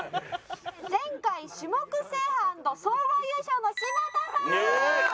前回種目制覇＆総合優勝の柴田さん。